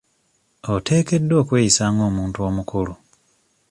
Oteekeddwa okweyisa nga omuntu omukulu.